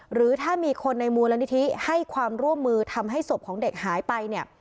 หรือถ้ามีคนในมูลนิธิให้ความร่วมมือทำให้ศพของเด็กหายไปเนี่ย